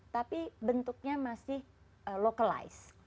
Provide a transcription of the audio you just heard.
tapi bentuknya masih localized